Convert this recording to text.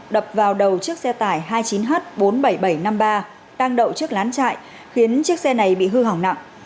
đập vào đầu chiếc xe tải hai mươi chín h bốn mươi bảy nghìn bảy trăm năm mươi ba đang đậu trước lán chạy khiến chiếc xe này bị hư hỏng nặng